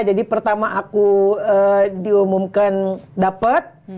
jadi pertama aku diumumkan dapet